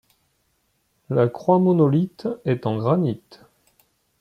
La croix monolithe est en granit.